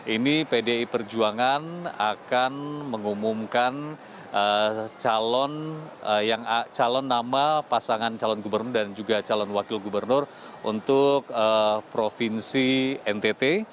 ini pdi perjuangan akan mengumumkan calon nama pasangan calon gubernur dan juga calon wakil gubernur untuk provinsi ntt